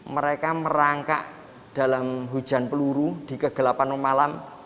mereka merangkak dalam hujan peluru di kegelapan malam